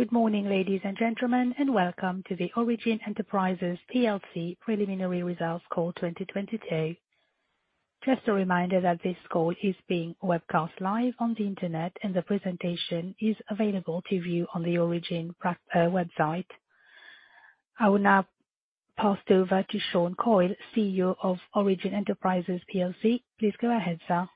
Good morning, ladies and gentlemen, and welcome to the Origin Enterprises PLC preliminary results call 2022. Just a reminder that this call is being webcast live on the Internet, and the presentation is available to view on the Origin website. I will now pass over to Sean Coyle, CEO of Origin Enterprises PLC. Please go ahead, sir.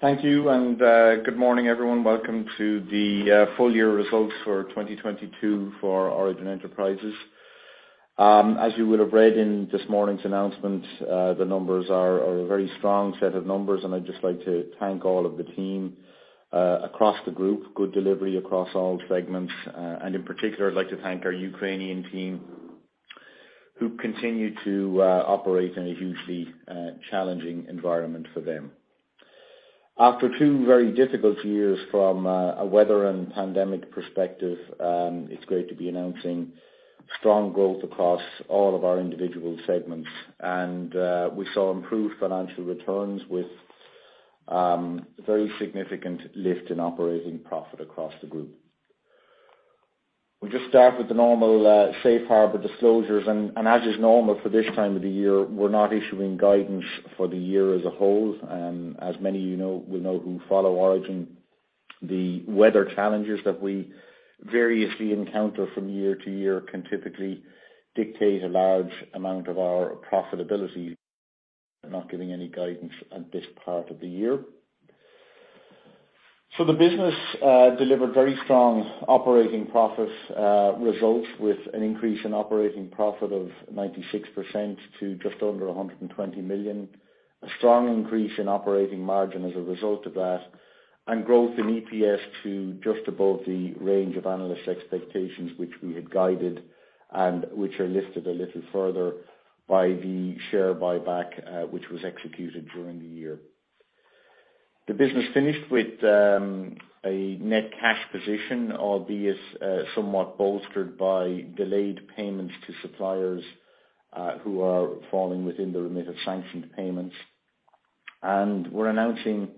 Thank you, and good morning, everyone. Welcome to the full year results for 2022 for Origin Enterprises. As you would have read in this morning's announcement, the numbers are a very strong set of numbers, and I'd just like to thank all of the team across the group, good delivery across all segments. In particular, I'd like to thank our Ukrainian team who continue to operate in a hugely challenging environment for them. After two very difficult years from a weather and pandemic perspective, it's great to be announcing strong growth across all of our individual segments. We saw improved financial returns with very significant lift in operating profit across the group. We just start with the normal safe harbor disclosures, and as is normal for this time of the year, we're not issuing guidance for the year as a whole. As many of you know who follow Origin, the weather challenges that we variously encounter from year to year can typically dictate a large amount of our profitability, and not giving any guidance at this part of the year. The business delivered very strong operating profit results with an increase in operating profit of 96% to just under 120 million. A strong increase in operating margin as a result of that, and growth in EPS to just above the range of analyst expectations, which we had guided and which are lifted a little further by the share buyback, which was executed during the year. The business finished with a net cash position, albeit somewhat bolstered by delayed payments to suppliers who are falling within the remit of sanctioned payments. We're announcing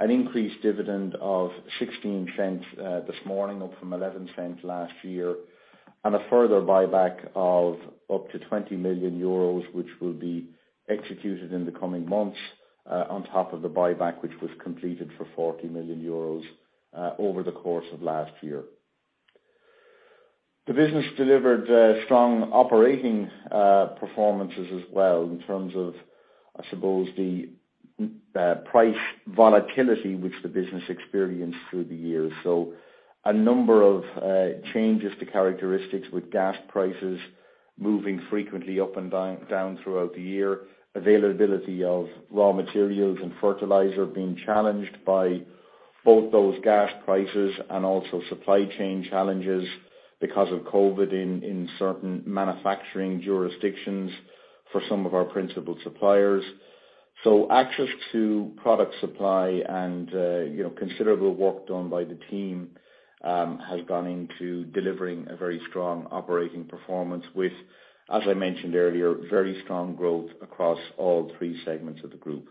an increased dividend of 0.16 this morning, up from 0.11 last year, and a further buyback of up to 20 million euros, which will be executed in the coming months on top of the buyback which was completed for EUR 40 million over the course of last year. The business delivered strong operating performances as well in terms of, I suppose, the price volatility which the business experienced through the year. A number of changes to characteristics with gas prices moving frequently up and down throughout the year, availability of raw materials and fertilizer being challenged by both those gas prices and also supply chain challenges because of COVID in certain manufacturing jurisdictions for some of our principal suppliers. Access to product supply and you know, considerable work done by the team has gone into delivering a very strong operating performance with, as I mentioned earlier, very strong growth across all three segments of the group.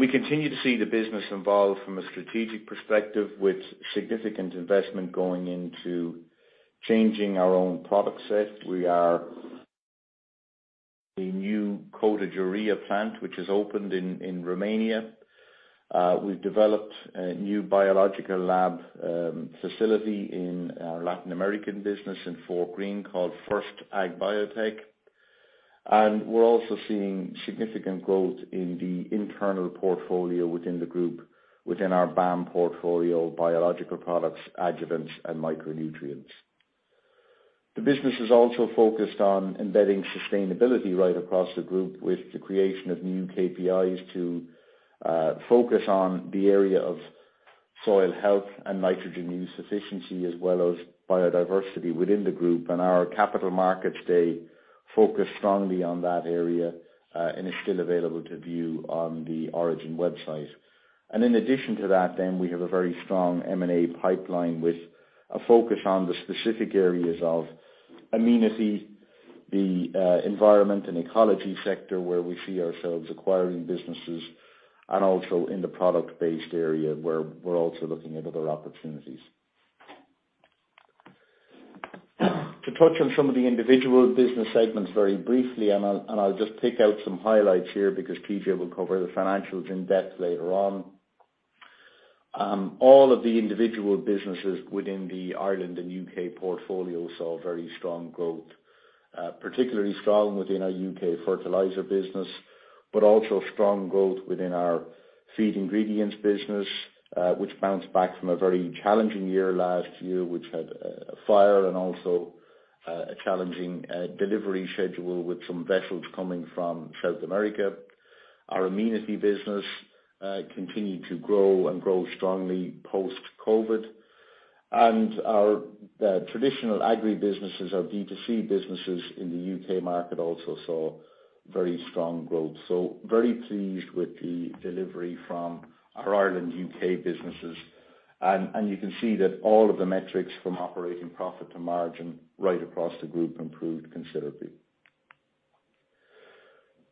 We continue to see the business evolve from a strategic perspective with significant investment going into changing our own product set. We have a new coated urea plant which has opened in Romania. We've developed a new biological lab facility in our Latin American business in Fortgreen called F1rst Agbiotech. We're also seeing significant growth in the internal portfolio within the group, within our BAM portfolio, biological products, adjuvants, and micronutrients. The business is also focused on embedding sustainability right across the group with the creation of new KPIs to focus on the area of soil health and nitrogen use efficiency as well as biodiversity within the group. Our capital markets day focus strongly on that area, and is still available to view on the Origin website. In addition to that, then we have a very strong M&A pipeline with a focus on the specific areas of amenity, the environment and ecology sector, where we see ourselves acquiring businesses, and also in the product-based area where we're also looking at other opportunities. To touch on some of the individual business segments very briefly, and I'll just pick out some highlights here because TJ will cover the financials in-depth later on. All of the individual businesses within the Ireland and U.K. portfolio saw very strong growth, particularly strong within our U.K. fertilizer business, but also strong growth within our feed ingredients business, which bounced back from a very challenging year last year, which had a fire and also a challenging delivery schedule with some vessels coming from South America. Our amenity business continued to grow and grow strongly post-COVID. The traditional agri businesses, our D2C businesses in the U.K. market also saw very strong growth. Very pleased with the delivery from our Ireland, U.K. businesses. You can see that all of the metrics from operating profit to margin right across the group improved considerably.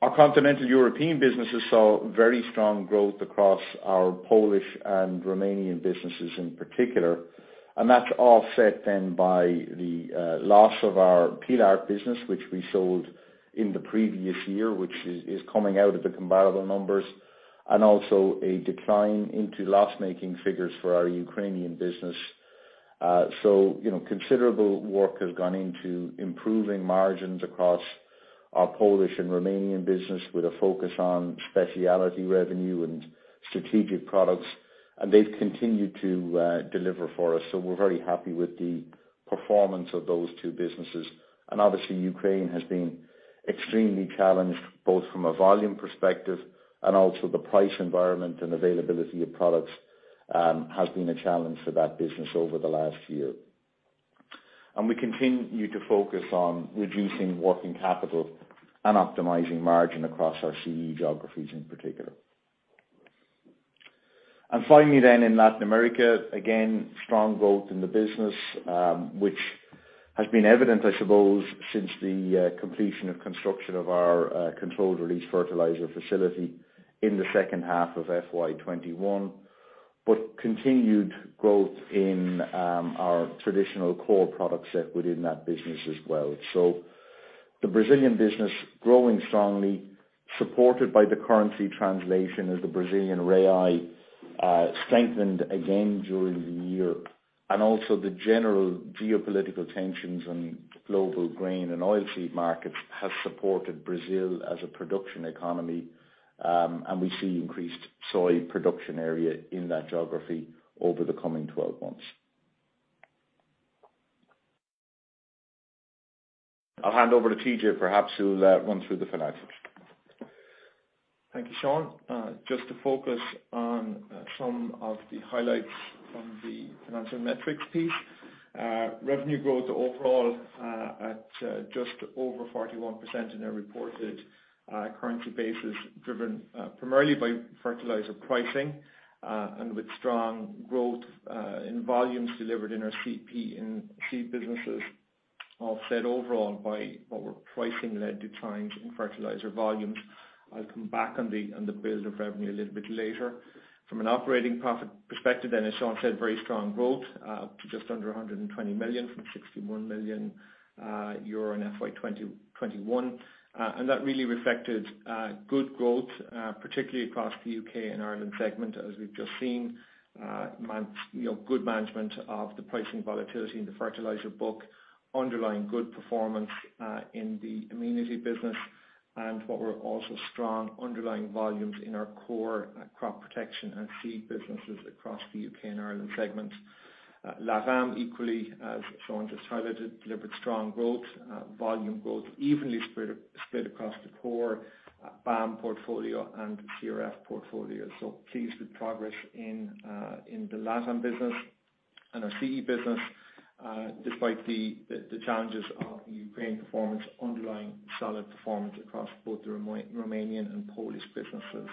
Our continental European businesses saw very strong growth across our Polish and Romanian businesses in particular, and that's offset then by the loss of our Pilar business, which we sold in the previous year, which is coming out of the comparable numbers, and also a decline into loss-making figures for our Ukrainian business. You know, considerable work has gone into improving margins across our Polish and Romanian business with a focus on specialty revenue and strategic products. They've continued to deliver for us, so we're very happy with the performance of those two businesses. Obviously, Ukraine has been extremely challenged, both from a volume perspective and also the price environment and availability of products has been a challenge for that business over the last year. We continue to focus on reducing working capital and optimizing margin across our CE geographies in particular. Finally, then in Latin America, again, strong growth in the business, which has been evident, I suppose, since the completion of construction of our controlled release fertilizer facility in the second half of FY 2021, but continued growth in our traditional core product set within that business as well. The Brazilian business growing strongly, supported by the currency translation as the Brazilian real strengthened again during the year, and also the general geopolitical tensions on global grain and oil seed markets has supported Brazil as a production economy, and we see increased soy production area in that geography over the coming 12 months. I'll hand over to TJ perhaps who'll run through the financials. Thank you, Sean. Just to focus on some of the highlights from the financial metrics piece. Revenue growth overall at just over 41% in a reported currency basis, driven primarily by fertilizer pricing and with strong growth in volumes delivered in our CP and seed businesses offset overall by what were pricing-led declines in fertilizer volumes. I'll come back on the build of revenue a little bit later. From an operating profit perspective, as Sean said, very strong growth up to just under 120 million from 61 million euro in FY 2021. That really reflected good growth particularly across the U.K. and Ireland segment, as we've just seen. You know, good management of the pricing volatility in the fertilizer book, underlying good performance in the amenity business and what were also strong underlying volumes in our core crop protection and seed businesses across the U.K. and Ireland segment. LATAM equally, as Sean just highlighted, delivered strong growth, volume growth evenly spread across the core BAM portfolio and the CRF portfolio. Pleased with progress in the LATAM business and our CE business, despite the challenges of the Ukraine performance underlying solid performance across both the Romanian and Polish businesses.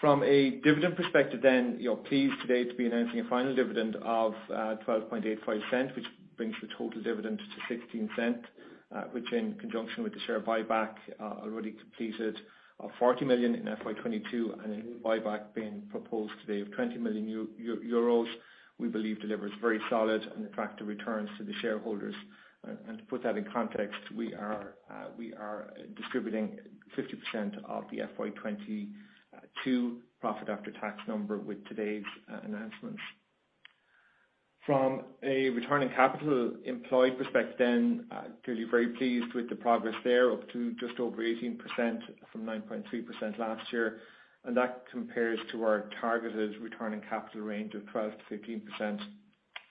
From a dividend perspective then, you know, pleased today to be announcing a final dividend of 0.1285, which brings the total dividend to 0.16, which in conjunction with the share buyback already completed of 40 million in FY 2022 and a new buyback being proposed today of 20 million euros, we believe delivers very solid and attractive returns to the shareholders. To put that in context, we are distributing 50% of the FY 2022 profit after tax number with today's announcements. From a return on capital employed perspective then, clearly very pleased with the progress there, up to just over 18% from 9.3% last year. That compares to our targeted returning capital range of 12%-15%,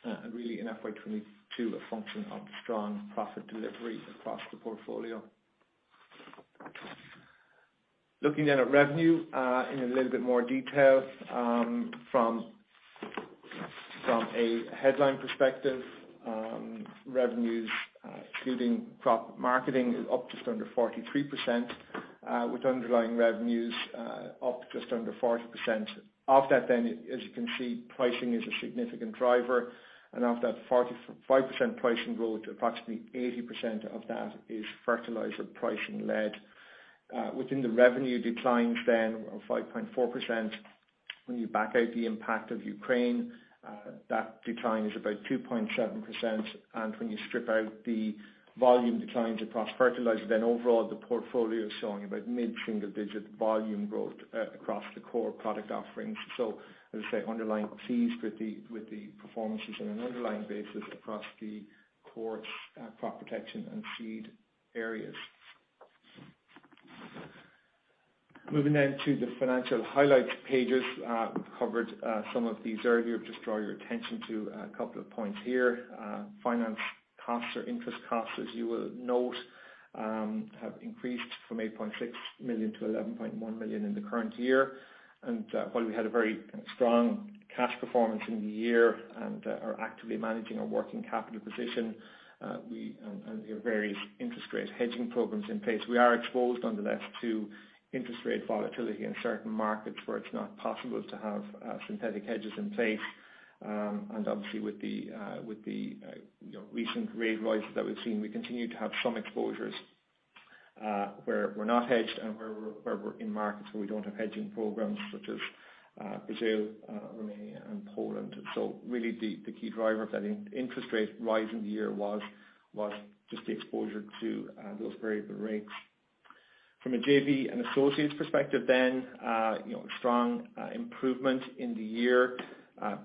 and really in FY 2022, a function of the strong profit delivery across the portfolio. Looking at revenue in a little bit more detail, from a headline perspective, revenues excluding crop marketing is up just under 43%, with underlying revenues up just under 40%. Of that as you can see, pricing is a significant driver, and of that 45% pricing growth, approximately 80% of that is fertilizer pricing-led. Within the revenue declines of 5.4%, when you back out the impact of Ukraine, that decline is about 2.7%, and when you strip out the volume declines across fertilizer, then overall the portfolio's showing about mid-single digit volume growth across the core product offerings. As I say, I'm pleased with the performances on an underlying basis across the core crop protection and seed areas. Moving to the financial highlights pages. We've covered some of these earlier. Just draw your attention to a couple of points here. Finance costs or interest costs, as you will note, have increased from 8.6 million to 11.1 million in the current year. While we had a very strong cash performance in the year and are actively managing our working capital position, we have various interest rate hedging programs in place, we are exposed nonetheless to interest rate volatility in certain markets where it's not possible to have synthetic hedges in place. Obviously with the, you know, recent rate rises that we've seen, we continue to have some exposures where we're not hedged and where we're in markets where we don't have hedging programs such as Brazil, Romania, and Poland. Really the key driver of that interest rate rise in the year was just the exposure to those variable rates. From a JV and associates perspective then, you know, strong improvement in the year,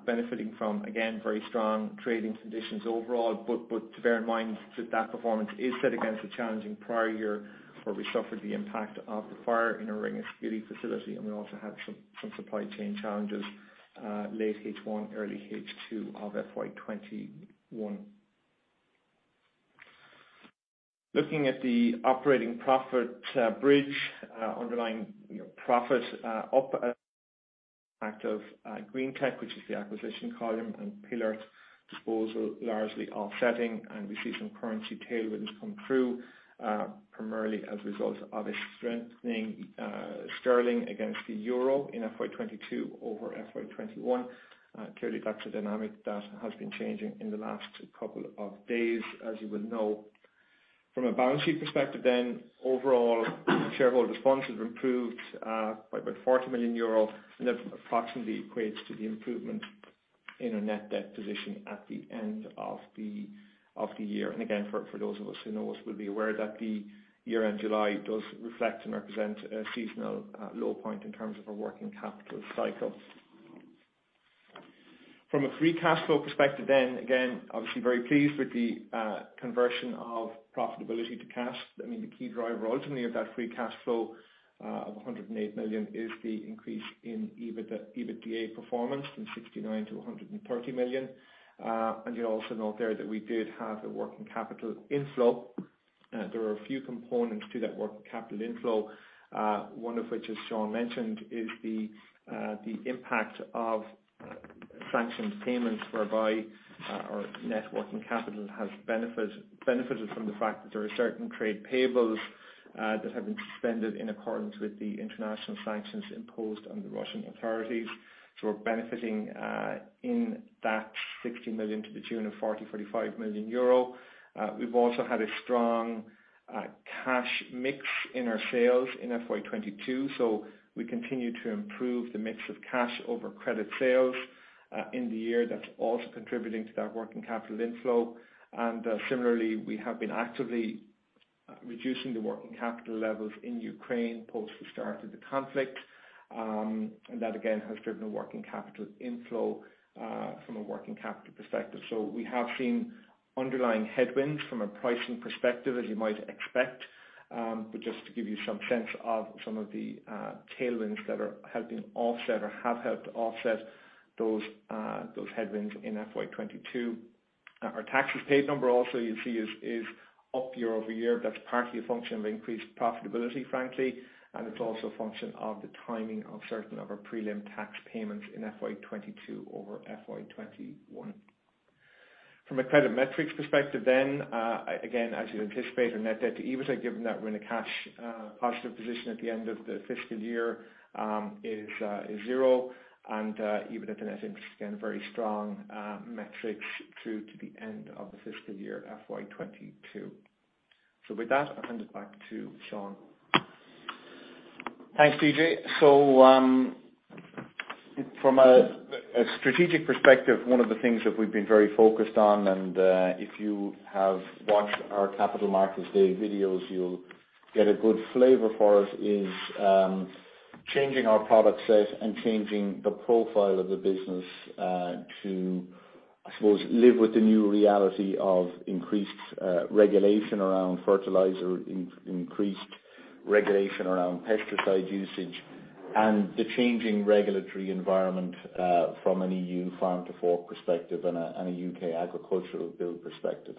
benefiting from, again, very strong trading conditions overall. To bear in mind that that performance is set against a challenging prior year where we suffered the impact of the fire in our Ringaskiddy facility, and we also had some supply chain challenges, late H1, early H2 of FY 2021. Looking at the operating profit bridge, underlying, you know, profit up active Green-tech, which is the acquisition column and Pilar disposal, largely offsetting, and we see some currency tailwinds come through, primarily as a result of a strengthening sterling against the euro in FY 2022 over FY 2021. Clearly that's a dynamic that has been changing in the last couple of days, as you will know. From a balance sheet perspective then overall shareholders' funds improved by about 40 million euro, and that approximately equates to the improvement in our net debt position at the end of the year. Again, for those of us who know us will be aware that the year-end July does reflect and represent a seasonal low point in terms of our working capital cycle. From a free cash flow perspective, again, obviously very pleased with the conversion of profitability to cash. I mean, the key driver ultimately of that free cash flow of 108 million is the increase in EBITDA performance from 69 million to 130 million. You'll also note there that we did have a working capital inflow. There are a few components to that working capital inflow, one of which, as Sean mentioned, is the impact of sanctioned payments whereby our net working capital has benefited from the fact that there are certain trade payables that have been suspended in accordance with the international sanctions imposed on the Russian authorities. We're benefiting in that 60 million to the tune of 45 million euro. We've also had a strong cash mix in our sales in FY 2022, so we continue to improve the mix of cash over credit sales in the year. That's also contributing to that working capital inflow. Similarly, we have been actively reducing the working capital levels in Ukraine post the start of the conflict. That again has driven a working capital inflow from a working capital perspective. We have seen underlying headwinds from a pricing perspective, as you might expect. Just to give you some sense of some of the tailwinds that are helping offset or have helped offset those headwinds in FY 2022. Our taxes paid number also you'll see is up year-over-year. That's partly a function of increased profitability, frankly, and it's also a function of the timing of certain of our prelim tax payments in FY 2022 over FY 2021. From a credit metrics perspective then, again, as you'd anticipate on net debt to EBITDA, given that we're in a cash positive position at the end of the fiscal year, is zero. EBITDA net interest again, very strong metrics through to the end of the fiscal year, FY 2022. With that, I'll hand it back to Sean. Thanks, TJ. From a strategic perspective, one of the things that we've been very focused on, if you have watched our Capital Markets Day videos, you'll get a good flavor for us, is changing our product set and changing the profile of the business, to, I suppose, live with the new reality of increased regulation around fertilizer, increased regulation around pesticide usage, and the changing regulatory environment, from an EU Farm to Fork perspective and a Agriculture Act 2020 perspective.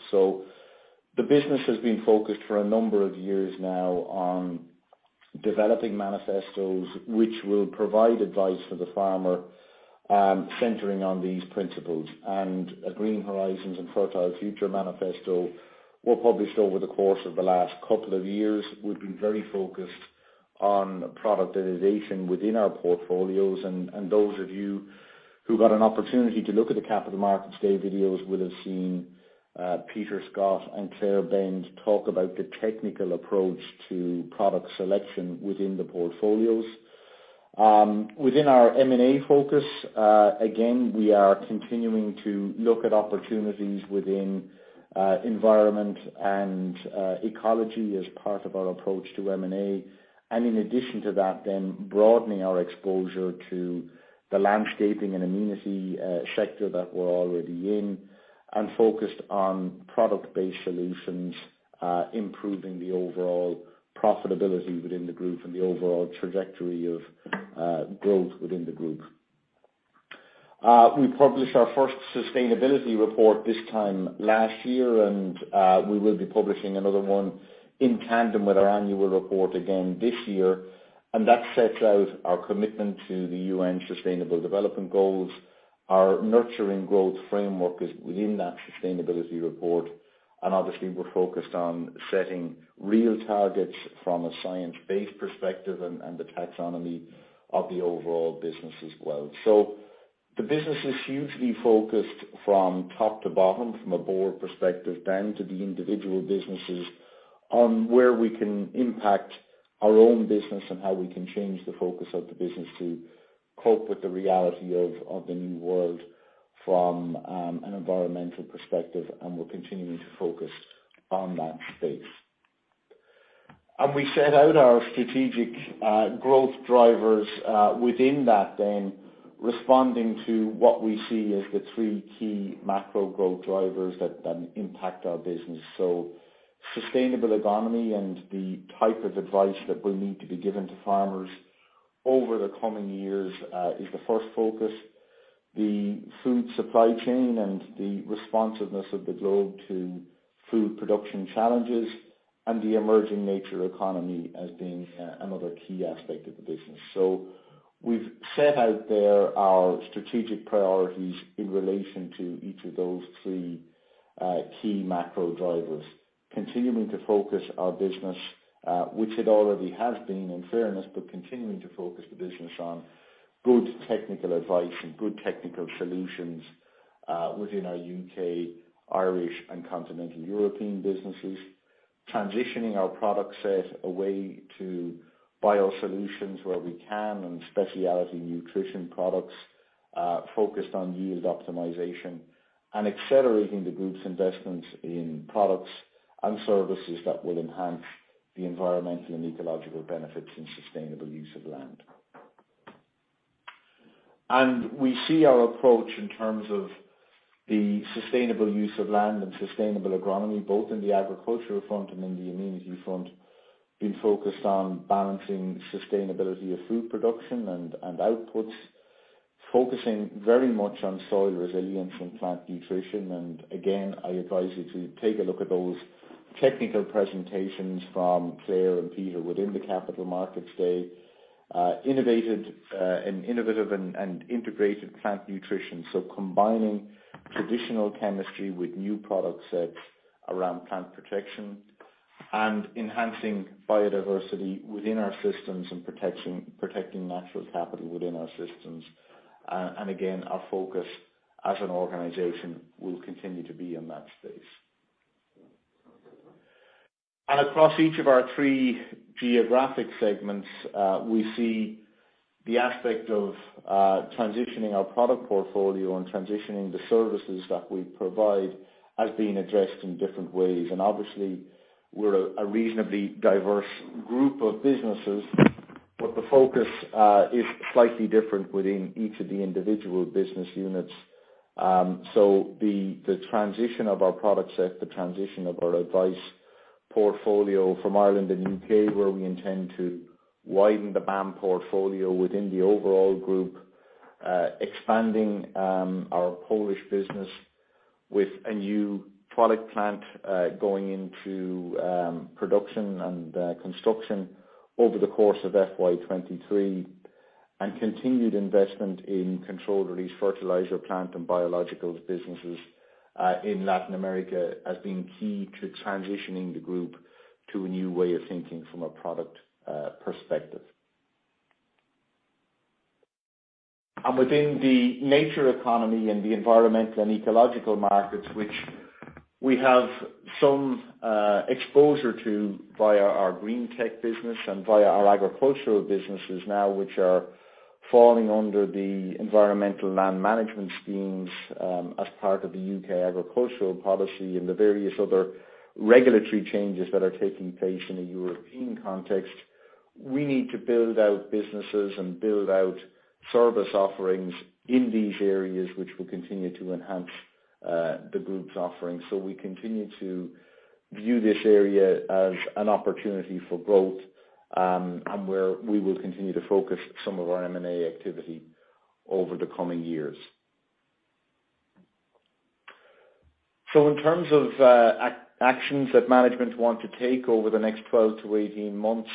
The business has been focused for a number of years now on developing manifestos which will provide advice for the farmer, centering on these principles. A Green Horizons and Fertile Future manifesto were published over the course of the last couple of years. We've been very focused on productization within our portfolios, and those of you who got an opportunity to look at the Capital Markets Day videos would've seen Peter Scott and Clare Bend talk about the technical approach to product selection within the portfolios. Within our M&A focus, again, we are continuing to look at opportunities within environment and ecology as part of our approach to M&A. In addition to that, then broadening our exposure to the landscaping and amenity sector that we're already in and focused on product-based solutions, improving the overall profitability within the group and the overall trajectory of growth within the group. We published our first sustainability report this time last year, and we will be publishing another one in tandem with our annual report again this year. That sets out our commitment to the UN Sustainable Development Goals. Our Nurturing Growth framework is within that sustainability report, and obviously, we're focused on setting real targets from a science-based perspective and the taxonomy of the overall business as well. The business is hugely focused from top to bottom, from a board perspective down to the individual businesses on where we can impact our own business and how we can change the focus of the business to cope with the reality of the new world from an environmental perspective, and we're continuing to focus on that space. We set out our strategic growth drivers within that then responding to what we see as the three key macro growth drivers that then impact our business. Sustainable agronomy and the type of advice that will need to be given to farmers over the coming years is the first focus. The food supply chain and the responsiveness of the globe to food production challenges and the emerging nature economy as being another key aspect of the business. We've set out there our strategic priorities in relation to each of those three key macro drivers, continuing to focus our business, which it already has been in fairness, but continuing to focus the business on good technical advice and good technical solutions within our U.K., Irish, and continental European businesses. Transitioning our product set away to biosolutions where we can, and specialty nutrition products focused on yield optimization and accelerating the group's investments in products and services that will enhance the environmental and ecological benefits and sustainable use of land. We see our approach in terms of the sustainable use of land and sustainable agronomy, both in the agricultural front and in the amenity front, being focused on balancing sustainability of food production and outputs, focusing very much on soil resilience and plant nutrition. Again, I advise you to take a look at those technical presentations from Clare and Peter within the Capital Markets Day. Innovative and integrated plant nutrition, so combining traditional chemistry with new product sets around plant protection and enhancing biodiversity within our systems and protecting natural capital within our systems. Again, our focus as an organization will continue to be in that space. Across each of our three geographic segments, we see the aspect of transitioning our product portfolio and transitioning the services that we provide as being addressed in different ways. Obviously we're a reasonably diverse group of businesses, but the focus is slightly different within each of the individual business units. The transition of our product set, the transition of our advice portfolio from Ireland and U.K., where we intend to widen the BAM portfolio within the overall group, expanding our Polish business with a new product plant going into production and construction over the course of FY 2023, and continued investment in controlled-release fertilizer plant and biologicals businesses in Latin America as being key to transitioning the group to a new way of thinking from a product perspective. Within the nature economy and the environmental and ecological markets, which we have some exposure to via our Green-tech business and via our agricultural businesses now, which are falling under the environmental land management schemes, as part of the U.K. agricultural policy and the various other regulatory changes that are taking place in a European context, we need to build out businesses and build out service offerings in these areas, which will continue to enhance the group's offerings. We continue to view this area as an opportunity for growth, and where we will continue to focus some of our M&A activity over the coming years. In terms of actions that management want to take over the next 12-18 months,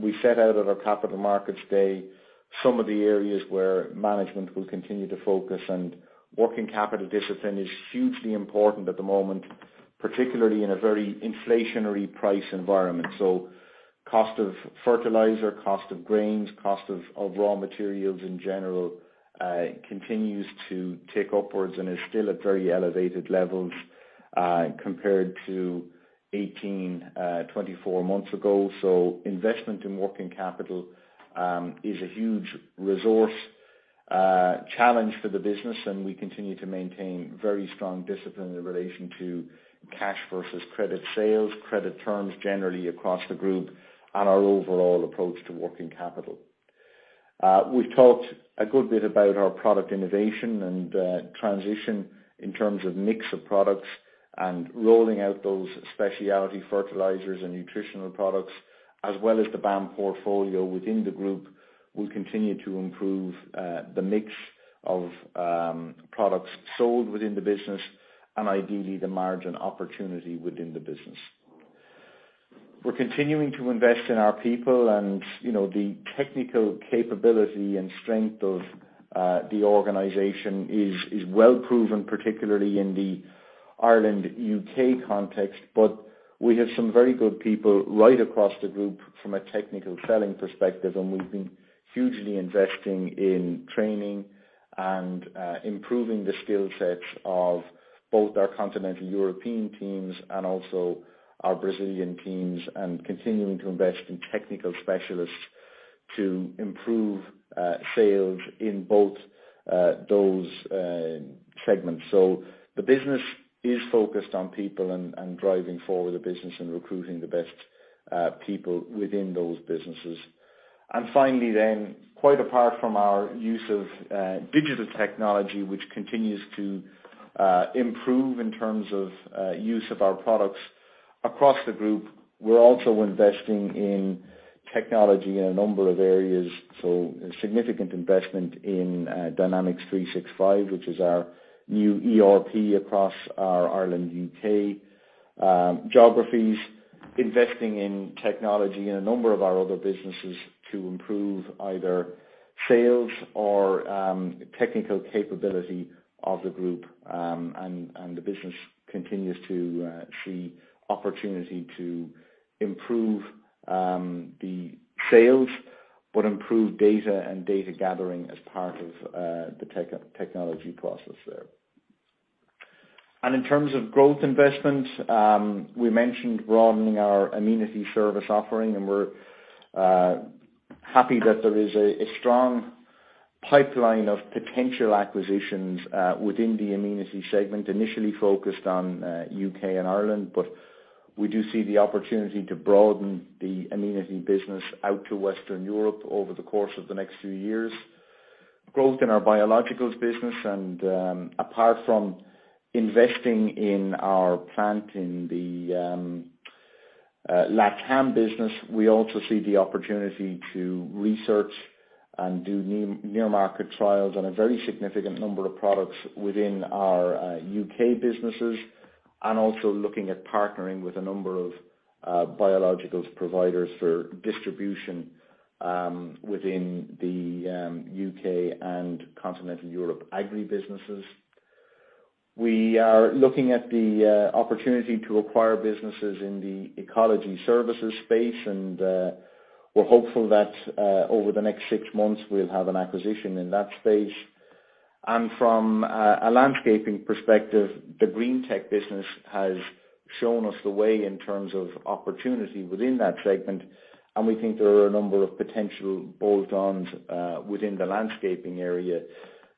we set out at our Capital Markets Day some of the areas where management will continue to focus, and working capital discipline is hugely important at the moment, particularly in a very inflationary price environment. Cost of fertilizer, cost of grains, cost of raw materials in general continues to tick upwards and is still at very elevated levels compared to 18-24 months ago. Investment in working capital is a huge resource challenge for the business, and we continue to maintain very strong discipline in relation to cash versus credit sales, credit terms generally across the group and our overall approach to working capital. We've talked a good bit about our product innovation and transition in terms of mix of products and rolling out those specialty fertilizers and nutritional products as well as the BAM portfolio within the group will continue to improve the mix of products sold within the business and ideally the margin opportunity within the business. We're continuing to invest in our people and, you know, the technical capability and strength of the organization is well proven, particularly in the Ireland, U.K. context. But we have some very good people right across the group from a technical selling perspective, and we've been hugely investing in training and improving the skill sets of both our continental European teams and also our Brazilian teams. Continuing to invest in technical specialists to improve sales in both those segments. The business is focused on people and driving forward the business and recruiting the best people within those businesses. Quite apart from our use of digital technology, which continues to improve in terms of use of our products across the group. We're also investing in technology in a number of areas, so a significant investment in Dynamics 365, which is our new ERP across our Ireland, U.K. geographies. Investing in technology in a number of our other businesses to improve either sales or technical capability of the group, and the business continues to see opportunity to improve the sales, but improve data and data gathering as part of the technology process there. In terms of growth investment, we mentioned broadening our Amenity service offering, and we're happy that there is a strong pipeline of potential acquisitions within the Amenity segment, initially focused on U.K. and Ireland. We do see the opportunity to broaden the Amenity business out to Western Europe over the course of the next few years. Growth in our Biologicals business, and apart from investing in our plant in the LATAM business, we also see the opportunity to research and do near market trials on a very significant number of products within our U.K. businesses. Also looking at partnering with a number of Biologicals providers for distribution within the U.K. And continental Europe agri businesses. We are looking at the opportunity to acquire businesses in the ecology services space, and we're hopeful that over the next six months we'll have an acquisition in that space. From a landscaping perspective, the Green-tech business has shown us the way in terms of opportunity within that segment, and we think there are a number of potential bolt-ons within the landscaping area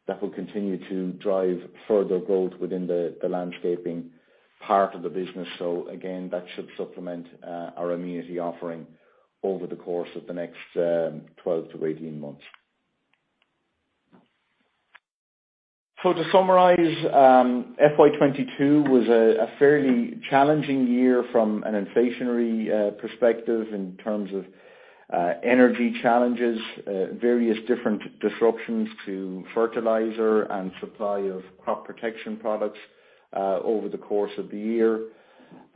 that will continue to drive further growth within the landscaping part of the business. That should supplement our amenity offering over the course of the next 12-18 months. To summarize, FY 2022 was a fairly challenging year from an inflationary perspective in terms of energy challenges, various different disruptions to fertilizer and supply of crop protection products over the course of the year.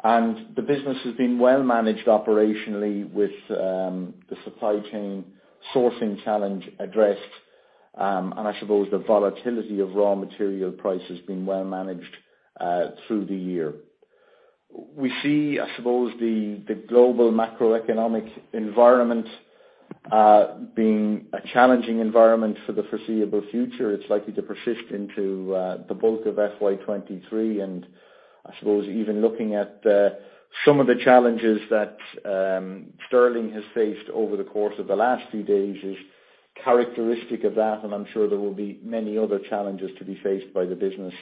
The business has been well managed operationally with the supply chain sourcing challenge addressed, and I suppose the volatility of raw material prices being well managed through the year. We see, I suppose, the global macroeconomic environment being a challenging environment for the foreseeable future. It's likely to persist into the bulk of FY 2023. I suppose even looking at some of the challenges that Sterling has faced over the course of the last few days is characteristic of that, and I'm sure there will be many other challenges to be faced by the business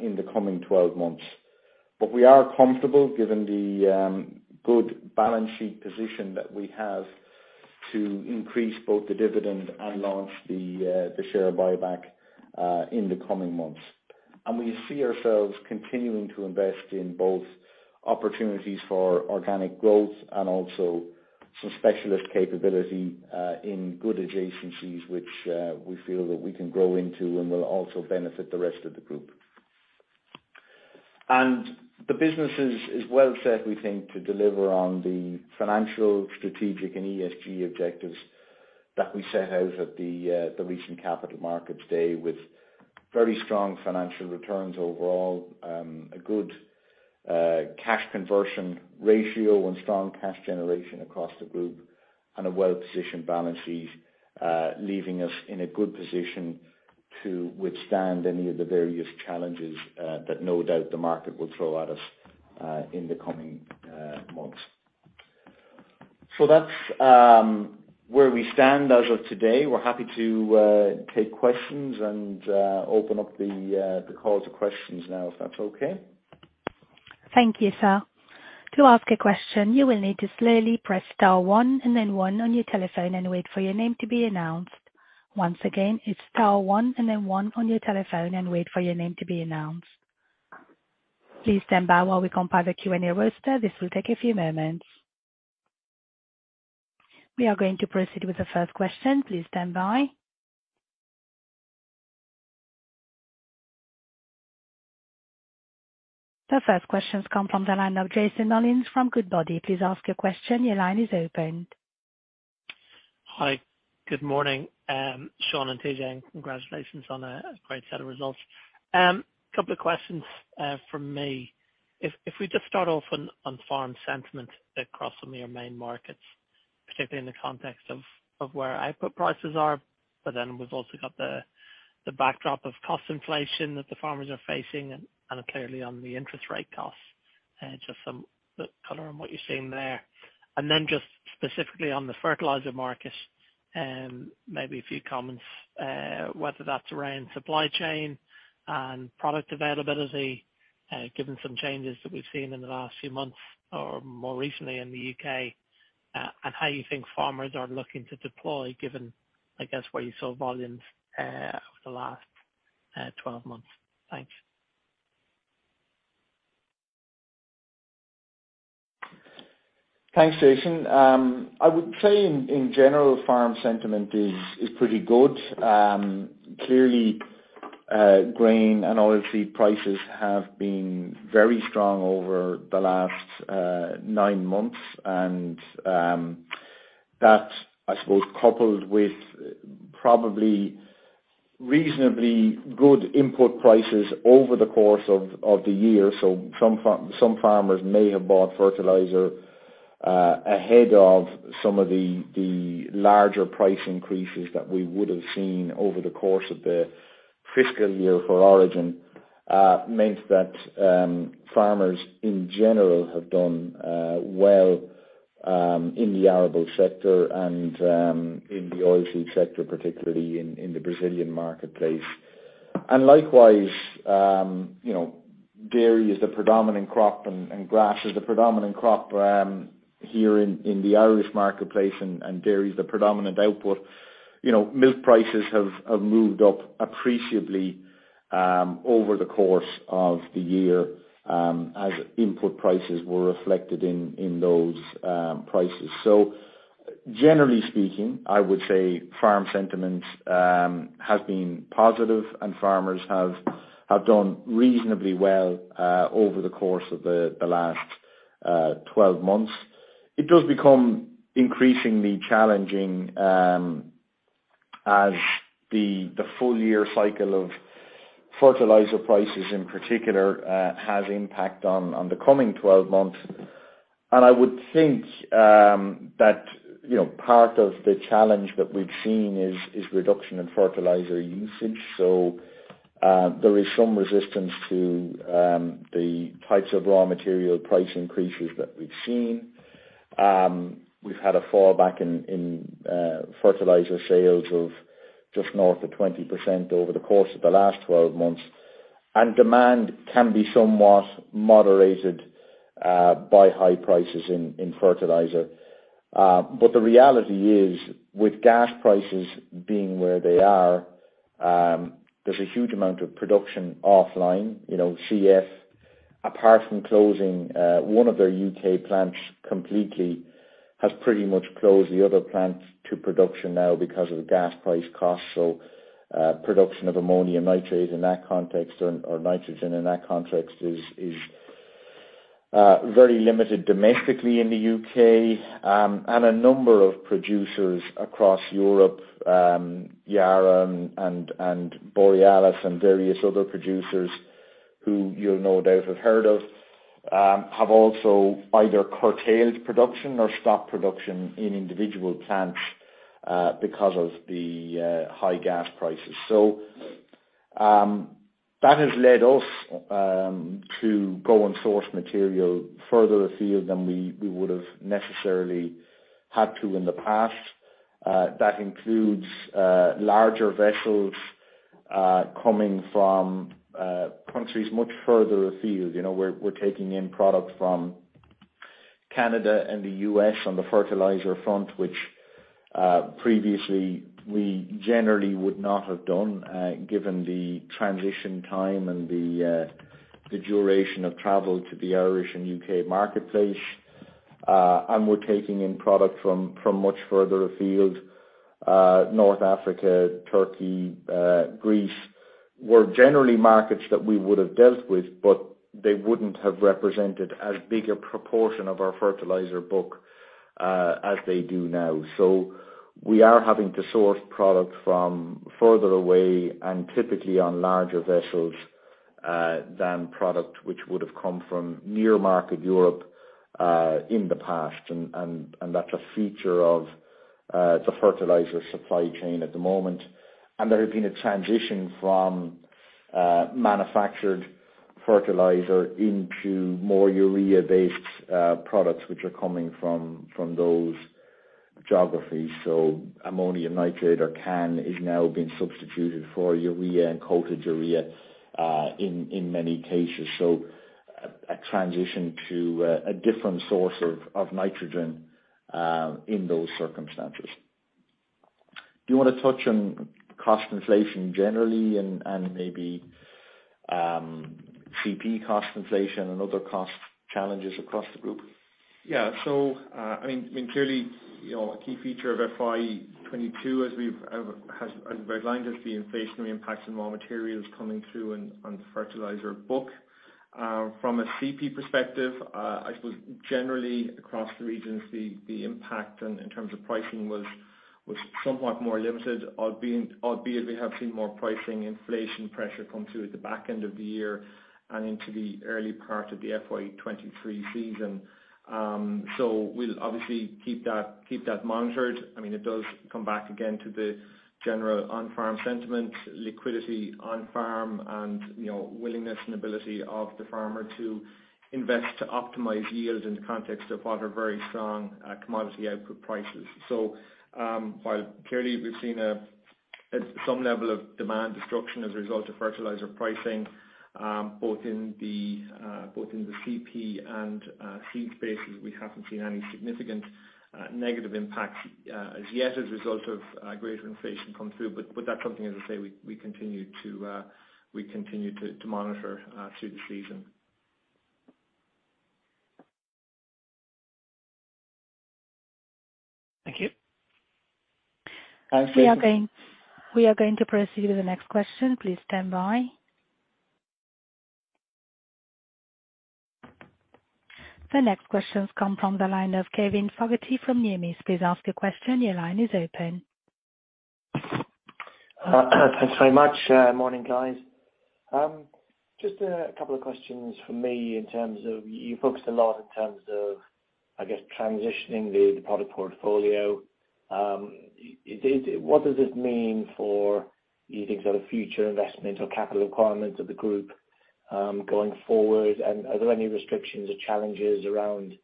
in the coming 12 months. We are comfortable, given the good balance sheet position that we have, to increase both the dividend and launch the share buyback in the coming months. We see ourselves continuing to invest in both opportunities for organic growth and also some specialist capability in good adjacencies, which we feel that we can grow into and will also benefit the rest of the group. The business is well set, we think, to deliver on the financial, strategic, and ESG objectives that we set out at the recent capital markets day with very strong financial returns overall. A good cash conversion ratio and strong cash generation across the group and a well-positioned balance sheet. Leaving us in a good position to withstand any of the various challenges that no doubt the market will throw at us in the coming months. That's where we stand as of today. We're happy to take questions and open up the call to questions now, if that's okay. Thank you, sir. To ask a question, you will need to slowly press star one and then one on your telephone and wait for your name to be announced. Once again, it's star one and then one on your telephone and wait for your name to be announced. Please stand by while we compile the Q&A roster. This will take a few moments. We are going to proceed with the first question. Please stand by. The first question comes from the line of Jason Molins from Goodbody. Please ask your question. Your line is open. Hi, good morning, Sean and TJ, and congratulations on a great set of results. Couple of questions from me. If we just start off on farm sentiment across some of your main markets, particularly in the context of where output prices are, but then we've also got the backdrop of cost inflation that the farmers are facing and clearly on the interest rate costs. Just some color on what you're seeing there. Just specifically on the fertilizer market, maybe a few comments whether that's around supply chain and product availability, given some changes that we've seen in the last few months or more recently in the U.K., and how you think farmers are looking to deploy given, I guess, where you saw volumes over the last 12 months. Thanks. Thanks, Jason. I would say in general, farm sentiment is pretty good. Clearly, grain and oil seed prices have been very strong over the last nine months. That's, I suppose, coupled with probably reasonably good input prices over the course of the year. Some farmers may have bought fertilizer ahead of some of the larger price increases that we would've seen over the course of the fiscal year for Origin meant that farmers in general have done well in the arable sector and in the oil seed sector, particularly in the Brazilian marketplace. Likewise, you know, dairy is the predominant crop and grass is the predominant crop here in the Irish marketplace and dairy is the predominant output. You know, milk prices have moved up appreciably over the course of the year as input prices were reflected in those prices. Generally speaking, I would say farm sentiment has been positive and farmers have done reasonably well over the course of the last 12 months. It does become increasingly challenging as the full year cycle of fertilizer prices in particular has impact on the coming 12 months. I would think that you know, part of the challenge that we've seen is reduction in fertilizer usage. There is some resistance to the types of raw material price increases that we've seen. We've had a fall back in fertilizer sales of just north of 20% over the course of the last 12 months. Demand can be somewhat moderated by high prices in fertilizer. But the reality is, with gas prices being where they are, there's a huge amount of production offline. You know, CF, apart from closing one of their U.K. plants completely, has pretty much closed the other plants to production now because of the gas price cost. Production of ammonium nitrate in that context or nitrogen in that context is very limited domestically in the U.K. A number of producers across Europe, Yara and Borealis and various other producers who you'll no doubt have heard of, have also either curtailed production or stopped production in individual plants because of the high gas prices. That has led us to go and source material further afield than we would've necessarily had to in the past. That includes larger vessels coming from countries much further afield. You know, we're taking in product from Canada and the U.S. on the fertilizer front, which previously we generally would not have done, given the transition time and the duration of travel to the Irish and U.K. marketplace. We're taking in product from much further afield, North Africa, Turkey, Greece were generally markets that we would have dealt with, but they wouldn't have represented as big a proportion of our fertilizer book as they do now. We are having to source product from further away and typically on larger vessels than product which would have come from near market Europe in the past. That's a feature of the fertilizer supply chain at the moment. There has been a transition from manufactured fertilizer into more urea-based products which are coming from those geographies. Ammonium nitrate or CAN is now being substituted for urea and coated urea in many cases. A transition to a different source of nitrogen in those circumstances. Do you wanna touch on cost inflation generally and maybe CP cost inflation and other cost challenges across the group? Yeah. I mean clearly, you know, a key feature of FY 2022 as we outlined has the inflationary impacts on raw materials coming through on the fertilizer book. From a CP perspective, I suppose. Generally across the regions, the impact and in terms of pricing was somewhat more limited, albeit we have seen more pricing inflation pressure come through at the back end of the year and into the early part of the FY 2023 season. We'll obviously keep that monitored. I mean, it does come back again to the general on-farm sentiment, liquidity on-farm, and you know, willingness and ability of the farmer to invest to optimize yield in the context of what are very strong commodity output prices. While clearly we've seen some level of demand destruction as a result of fertilizer pricing, both in the CP and seed spaces, we haven't seen any significant negative impacts as yet as a result of greater inflation come through. That's something, as I say, we continue to monitor through the season. Thank you. Next question. We are going to proceed with the next question. Please stand by. The next questions come from the line of Kevin Fogarty from Numis. Please ask your question. Your line is open. Thanks very much. Morning, guys. Just a couple of questions from me in terms of you focused a lot in terms of, I guess, transitioning the product portfolio. What does this mean for you think sort of future investment or capital requirements of the group, going forward? And are there any restrictions or challenges around,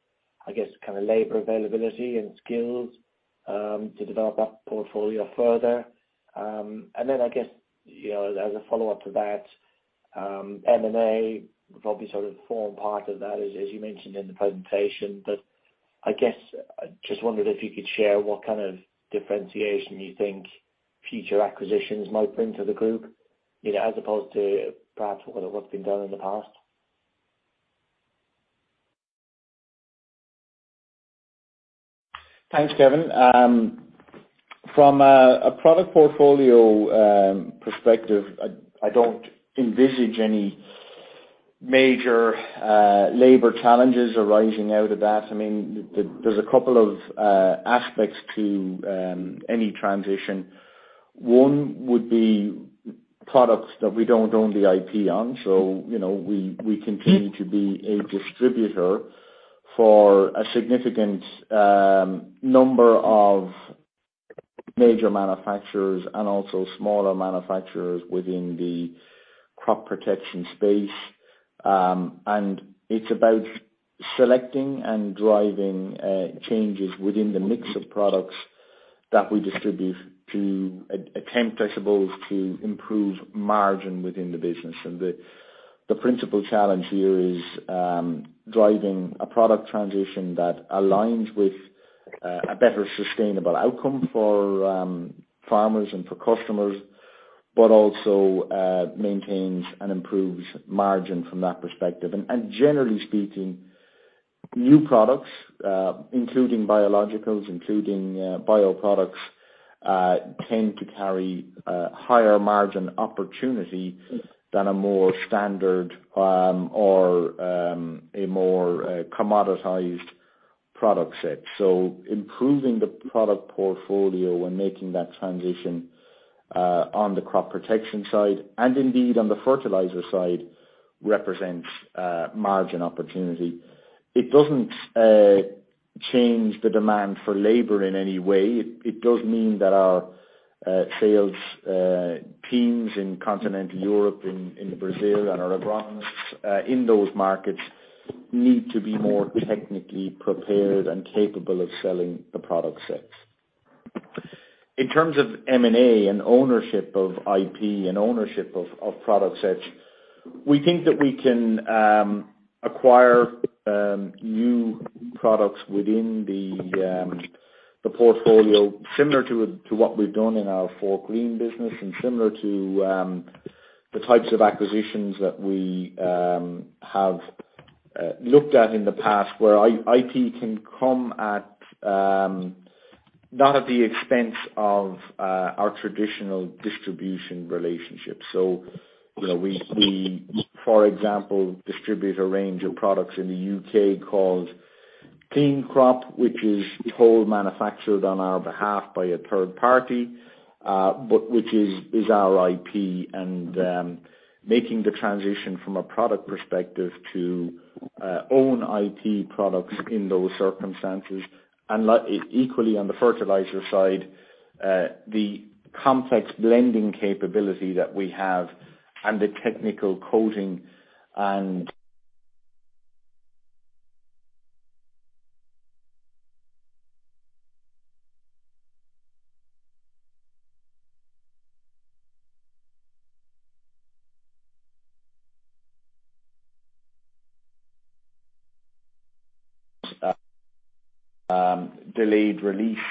I guess, kind of labor availability and skills, to develop that portfolio further? And then I guess, you know, as a follow-up to that, M&A would probably sort of form part of that, as you mentioned in the presentation. I guess I just wondered if you could share what kind of differentiation you think future acquisitions might bring to the group, you know, as opposed to perhaps what's been done in the past. Thanks, Kevin. From a product portfolio perspective, I don't envisage any major labor challenges arising out of that. I mean, there's a couple of aspects to any transition. One would be products that we don't own the IP on. You know, we continue to be a distributor for a significant number of major manufacturers and also smaller manufacturers within the crop protection space. It's about selecting and driving changes within the mix of products that we distribute to attempt, I suppose, to improve margin within the business. The principal challenge here is driving a product transition that aligns with a better sustainable outcome for farmers and for customers, but also maintains and improves margin from that perspective. Generally speaking, new products, including biologicals, including bioproducts, tend to carry a higher margin opportunity than a more standard, or a more commoditized product set. Improving the product portfolio and making that transition on the crop protection side, and indeed on the fertilizer side, represents margin opportunity. It doesn't change the demand for labor in any way. It does mean that our sales teams in continental Europe, in Brazil and our agronomists in those markets need to be more technically prepared and capable of selling the product sets. In terms of M&A and ownership of IP and ownership of product sets, we think that we can acquire new products within the portfolio similar to what we've done in our Fortgreen business and similar to the types of acquisitions that we have looked at in the past where IP can come at not the expense of our traditional distribution relationships. You know, we for example distribute a range of products in the U.K. called Clean Crop, which is wholly manufactured on our behalf by a third party, but which is our IP, and making the transition from a product perspective to own IP products in those circumstances. Like equally on the fertilizer side, the complex blending capability that we have and the technical coating and delayed release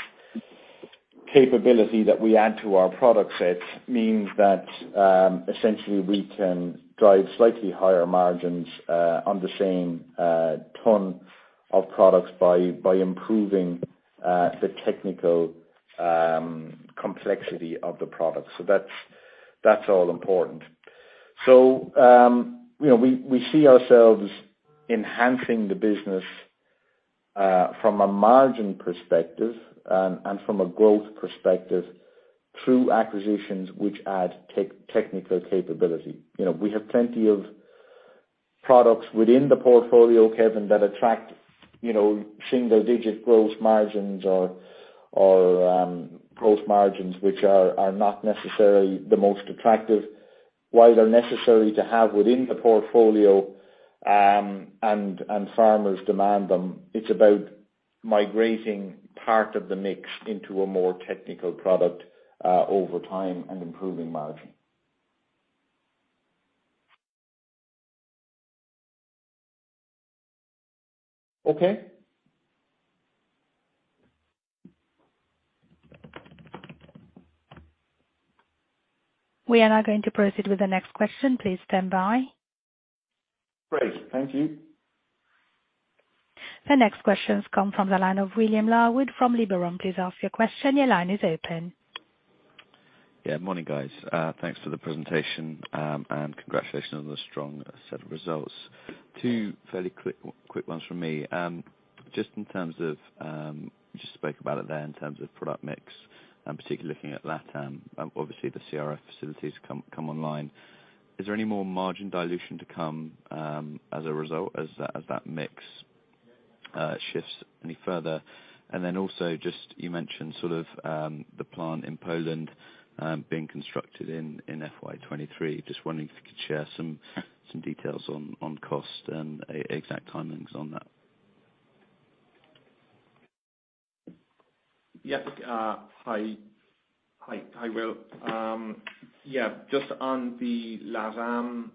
capability that we add to our product sets means that essentially we can drive slightly higher margins on the same ton of products by improving the technical complexity of the product. That's all important. You know, we see ourselves enhancing the business from a margin perspective and from a growth perspective through acquisitions which add technical capability. You know, we have plenty of products within the portfolio, Kevin, that attract single-digit growth margins or growth margins which are not necessarily the most attractive. While they're necessary to have within the portfolio, and farmers demand them, it's about migrating part of the mix into a more technical product over time and improving margin. Okay. We are now going to proceed with the next question. Please stand by. Great. Thank you. The next question's come from the line of William Larwood from Liberum. Please ask your question. Your line is open. Yeah. Morning, guys. Thanks for the presentation and congratulations on the strong set of results. Two fairly quick ones from me. Just in terms of just spoke about it there in terms of product mix, and particularly looking at LATAM, obviously the CRF facilities come online. Is there any more margin dilution to come as a result as that mix shifts any further? Then also just you mentioned sort of the plant in Poland being constructed in FY 2023. Just wondering if you could share some details on cost and exact timings on that. Hi, Will. Yeah, just on the LATAM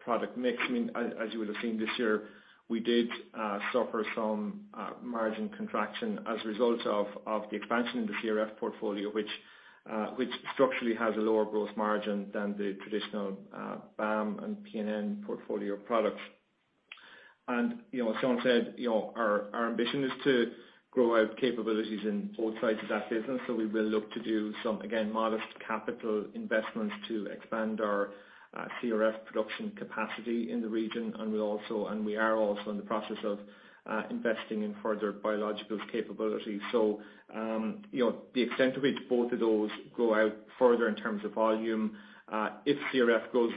product mix, I mean, as you would've seen this year, we did suffer some margin contraction as a result of the expansion in the CRF portfolio, which structurally has a lower gross margin than the traditional BAM and PNN portfolio of products. You know, as Sean said, you know, our ambition is to grow our capabilities in both sides of that business. We will look to do some again modest capital investments to expand our CRF production capacity in the region. We are also in the process of investing in further biologicals capability. You know, the extent to which both of those go out further in terms of volume, if CRF goes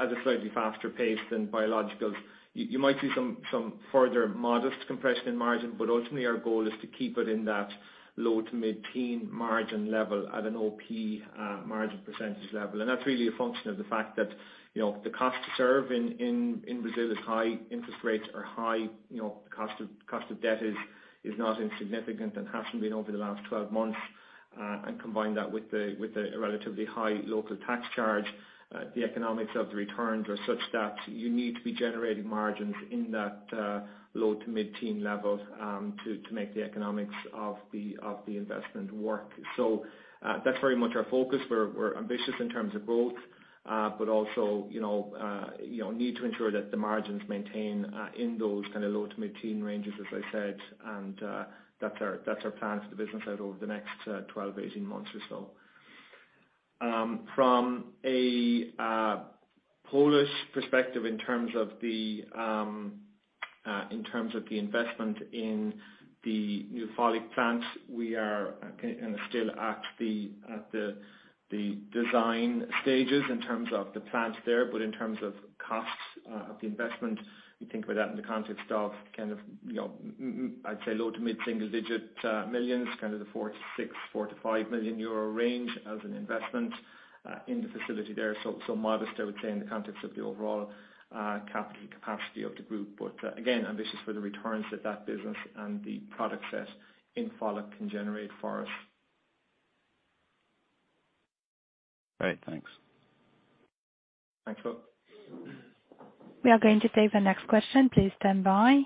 as a slightly faster pace than biologicals, you might see some further modest compression in margin, but ultimately our goal is to keep it in that low- to mid-teen margin level at an OP margin percentage level. That's really a function of the fact that, you know, the cost to serve in Brazil is high, interest rates are high, you know, cost of debt is not insignificant and hasn't been over the last 12 months. Combine that with the relatively high local tax charge, the economics of the returns are such that you need to be generating margins in that low to mid-teen level to make the economics of the investment work. That's very much our focus. We're ambitious in terms of growth, but also, you know, need to ensure that the margins maintain in those kind of low to mid-teen ranges, as I said. That's our plan for the business out over the next 12-18 months or so. From a Polish perspective in terms of the investment in the new foliar plant, we are kinda still at the design stages in terms of the plant there, but in terms of costs of the investment, we think about that in the context of kind of, you know, I'd say low- to mid-single-digit millions, kind of the 4 million-5 million euro range as an investment in the facility there. Modest, I would say, in the context of the overall capital capacity of the group. Again, ambitious for the returns that that business and the product set in foliar can generate for us. Great. Thanks. Thanks, Will. We are going to take the next question. Please stand by.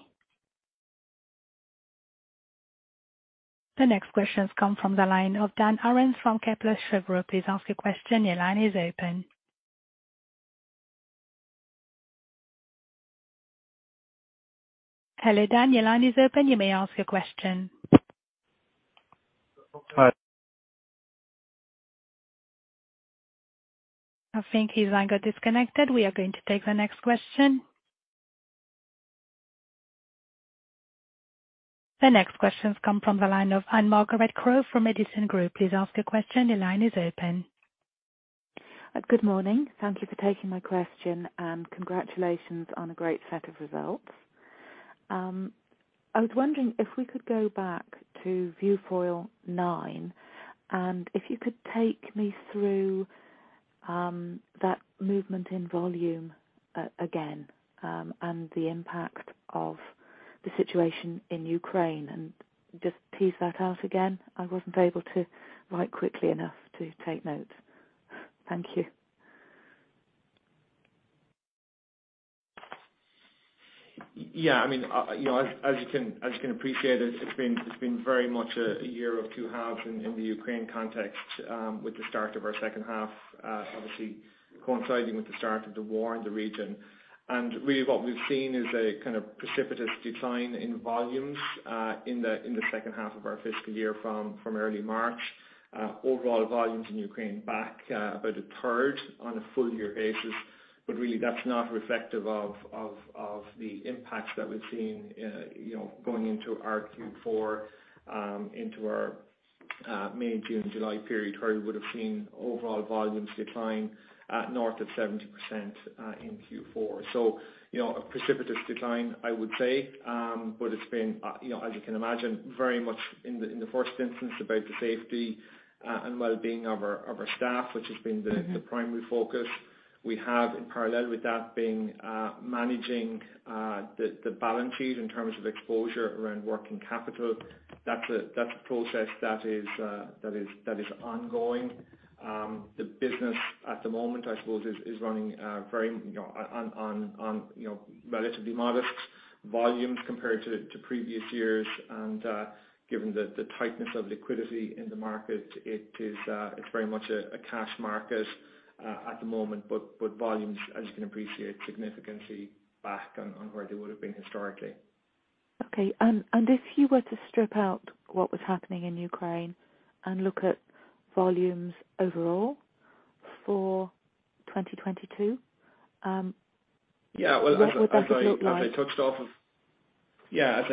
The next question's come from the line of Dan Ahrens from Kepler Cheuvreux. Please ask your question. Your line is open. Hello, Dan, your line is open. You may ask your question. Hi- I think his line got disconnected. We are going to take the next question. The next question's come from the line of Anne Margaret Crow from Edison Group. Please ask your question. Your line is open. Good morning. Thank you for taking my question, and congratulations on a great set of results. I was wondering if we could go back to slide 9, and if you could take me through that movement in volume again, and the impact of the situation in Ukraine, and just tease that out again. I wasn't able to write quickly enough to take note. Thank you. Yeah, I mean, you know, as you can appreciate, it's been very much a year of two halves in the Ukraine context, with the start of our second half obviously coinciding with the start of the war in the region. Really what we've seen is a kind of precipitous decline in volumes in the second half of our fiscal year from early March. Overall volumes in Ukraine back about a third on a full year basis, but really that's not reflective of the impacts that we've seen, you know, going into our Q4. May, June, July period, where we would've seen overall volumes decline at north of 70%, in Q4. You know, a precipitous decline, I would say. But it's been, you know, as you can imagine, very much in the first instance about the safety and wellbeing of our staff, which has been the- Mm-hmm ...the primary focus. We have in parallel with that been managing the balances in terms of exposure around working capital. That's a process that is ongoing. The business at the moment, I suppose, is running very you know on you know relatively modest volumes compared to previous years and given the tightness of liquidity in the market, it is very much a cash market at the moment. Volumes, as you can appreciate, significantly back on where they would've been historically. Okay. If you were to strip out what was happening in Ukraine and look at volumes overall for 2022. Yeah. Well, What would that have looked like? As I touched on, I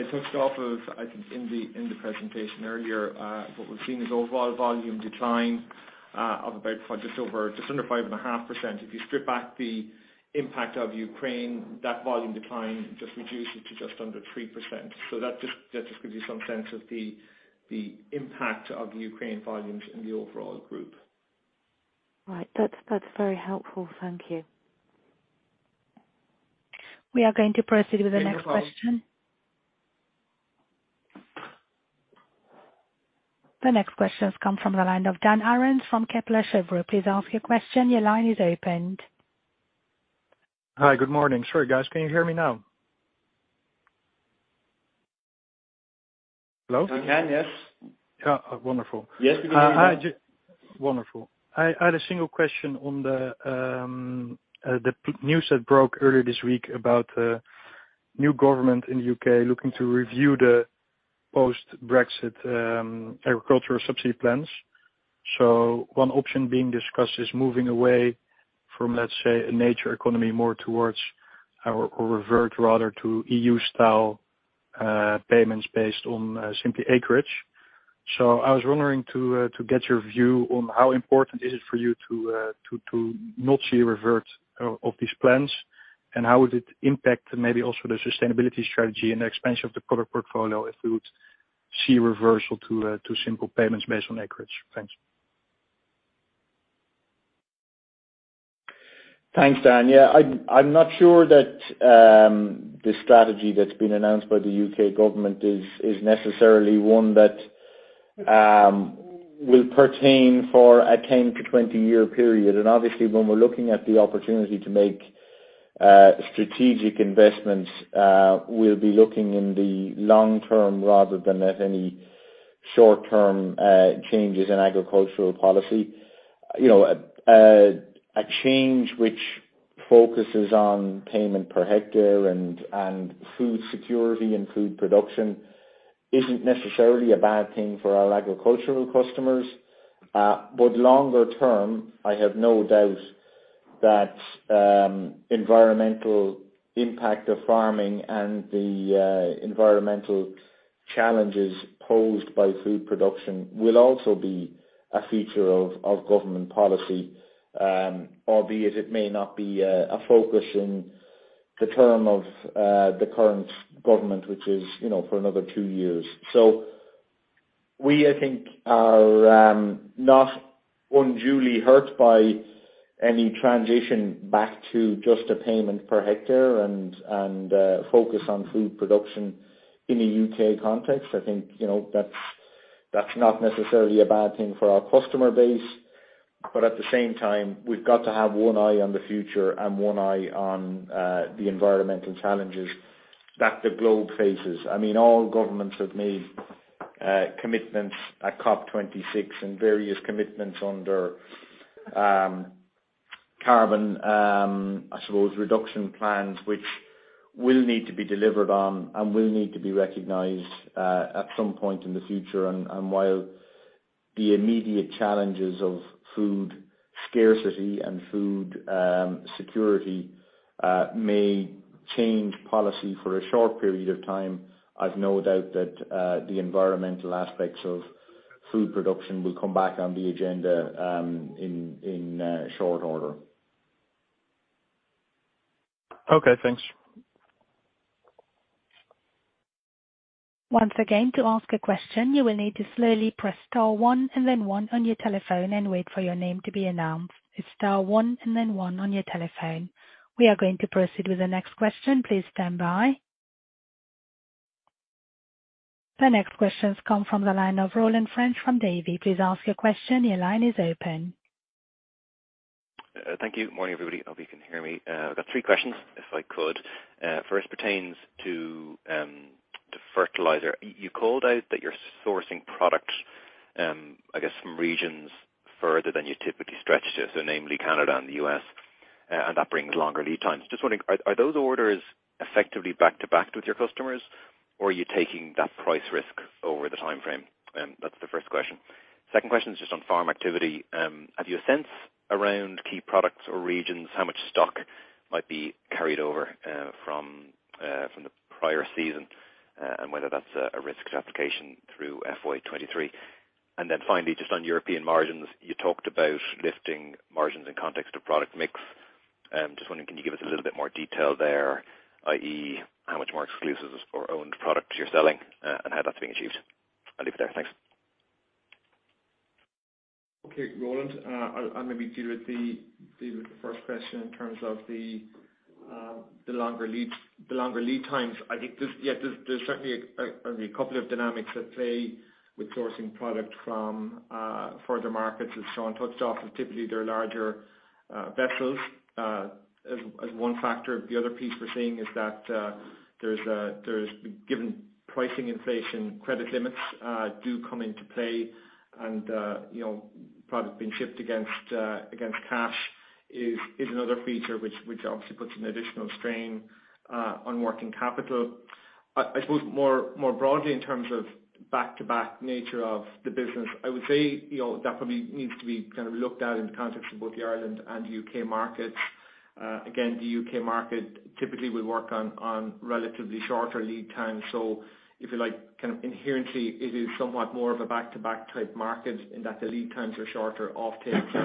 think in the presentation earlier, what we've seen is overall volume decline of just under 5.5%. If you strip back the impact of Ukraine, that volume decline just reduces to just under 3%. That gives you some sense of the impact of the Ukraine volumes in the overall group. Right. That's very helpful. Thank you. We are going to proceed with the next question. The next question has come from the line of Dan Ahrens from Kepler Cheuvreux. Please ask your question. Your line is opened. Hi. Good morning. Sorry, guys, can you hear me now? Hello? We can, yes. Yeah. Oh, wonderful. Yes, we can hear you. Hi. Wonderful. I had a single question on the news that broke earlier this week about the new government in the U.K. looking to review the post-Brexit agricultural subsidy plans. One option being discussed is moving away from, let's say, a nature economy more towards or revert rather to EU-style payments based on simply acreage. I was wondering to get your view on how important is it for you to not see a revert of these plans, and how would it impact maybe also the sustainability strategy and the expansion of the product portfolio if we would see a reversal to single payments based on acreage? Thanks. Thanks, Dan. Yeah. I'm not sure that the strategy that's been announced by the U.K. government is necessarily one that will pertain for a 10-20 year period. Obviously when we're looking at the opportunity to make strategic investments, we'll be looking in the long term rather than at any short term changes in agricultural policy. You know, a change which focuses on payment per hectare and food security and food production isn't necessarily a bad thing for our agricultural customers. Longer term, I have no doubt that environmental impact of farming and the environmental challenges posed by food production will also be a feature of government policy. Albeit it may not be a focus in the term of the current government, which is, you know, for another two years. We, I think, are not unduly hurt by any transition back to just a payment per hectare and focus on food production in a U.K. context. I think, you know, that's not necessarily a bad thing for our customer base, but at the same time, we've got to have one eye on the future and one eye on the environmental challenges that the globe faces. I mean, all governments have made commitments at COP26 and various commitments under carbon, I suppose, reduction plans, which will need to be delivered on and will need to be recognized at some point in the future. While the immediate challenges of food scarcity and food security may change policy for a short period of time, I've no doubt that the environmental aspects of food production will come back on the agenda in short order. Okay, thanks. Once again, to ask a question, you will need to slowly press star one and then one on your telephone and wait for your name to be announced. It's star one and then one on your telephone. We are going to proceed with the next question. Please stand by. The next question's come from the line of Roland French from Davy. Please ask your question. Your line is open. Thank you. Morning, everybody. Hope you can hear me. I've got three questions if I could. First pertains to fertilizer. You called out that you're sourcing products, I guess from regions further than you typically stretch to, so namely Canada and the U.S., and that brings longer lead times. Just wondering, are those orders effectively back to back with your customers or are you taking that price risk over the timeframe? That's the first question. Second question is just on farm activity. Have you a sense around key products or regions how much stock might be carried over from the prior season? Whether that's a risk to application through FY 2023. Finally, just on European margins, you talked about lifting margins in context of product mix. Just wondering, can you give us a little bit more detail there, i.e., how much more exclusives or owned products you're selling, and how that's being achieved? I'll leave it there. Thanks. Okay, Roland, I'll maybe deal with the first question in terms of the longer leads, the longer lead times. I think this, yeah, there's certainly a couple of dynamics at play with sourcing product from further markets, as Sean touched on. Typically they're larger vessels as one factor. The other piece we're seeing is that, given pricing inflation, credit limits do come into play and, you know, product being shipped against cash is another feature which obviously puts an additional strain on working capital. I suppose, more broadly in terms of back-to-back nature of the business, I would say, you know, that probably needs to be kind of looked at in the context of both the Ireland and U.K. Markets. Again, the U.K. market typically will work on relatively shorter lead times. If you like, kind of inherently it is somewhat more of a back-to-back type market in that the lead times are shorter. Offtakes